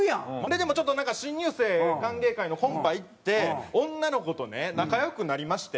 でもちょっとなんか新入生歓迎会のコンパ行って女の子とね仲良くなりまして。